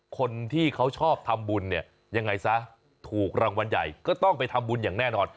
คนที่เขาชอบทำบุญเนี่ยยังไงซะถูกรางวัลใหญ่ก็ต้องไปทำบุญอย่างแน่นอน